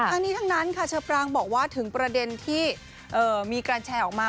ทั้งนี้ทั้งนั้นค่ะเชอปรางบอกว่าถึงประเด็นที่มีการแชร์ออกมา